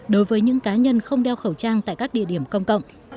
đối với những cá nhân không đeo khẩu trang tại các địa điểm công cộng